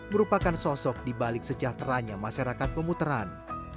merupakan sosok di balik sejahteranya masyarakat pemuteraan